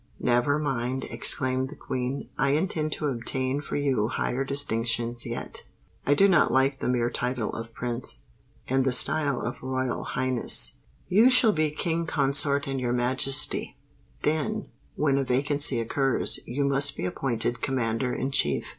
"Never mind," exclaimed the Queen. "I intend to obtain for you higher distinctions yet. I do not like the mere title of Prince, and the style of Royal Highness: you shall be King Consort and Your Majesty. Then, when a vacancy occurs, you must be appointed Commander in Chief."